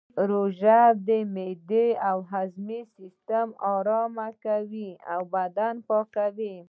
روژه معدې او هاضمې سیستم ته ارام ورکوي او بدن پاکوي